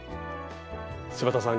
柴田さん